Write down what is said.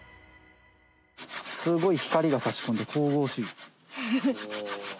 すごい光が差し込んで神々しい。